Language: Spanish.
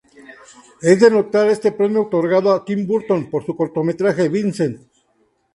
Es de notar este premio otorgado a Tim Burton por su cortometraje "Vincent".